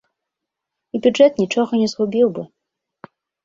І бюджэт нічога не згубіў бы.